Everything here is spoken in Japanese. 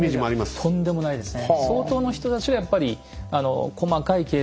とんでもないですね。